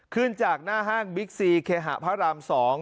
ขึ้นจากหน้าห้างบิ๊กซีเคหะพระราม๒